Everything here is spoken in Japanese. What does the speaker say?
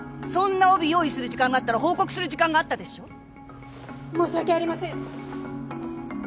そんな帯用意する時間があったら報告する時間があったでしょ申し訳ありません